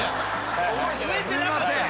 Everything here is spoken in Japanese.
言えてなかった。